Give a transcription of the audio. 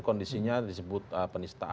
kondisinya disebut penista